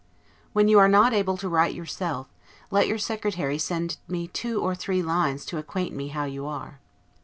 When you are not able to write yourself, let your Secretary send me two or three lines to acquaint me how you are.